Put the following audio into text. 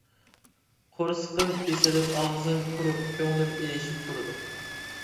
قورسىقىم ئېسىلىپ، ئاغزىم قۇرۇپ، كۆڭلۈم ئىلىشىپ تۇرىدۇ.